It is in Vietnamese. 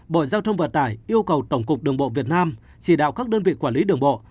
bộ giao thông vận tải yêu cầu tổng cục đường bộ việt nam chỉ đạo các đơn vị quản lý đường bộ